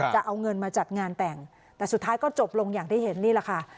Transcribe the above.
จะเอาเงินมาจัดงานแต่งแต่สุดท้ายก็จบลงอย่างที่เห็นนี่แหละค่ะ